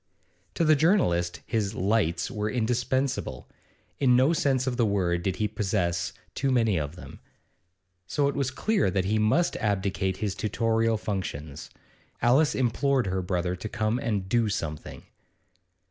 To the journalist his 'lights' were indispensable; in no sense of the word did he possess too many of them; so it was clear that he must abdicate his tutorial functions. Alice implored her brother to come and 'do something.